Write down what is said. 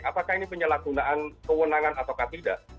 apakah ini penyalahgunaan kewenangan atau tidak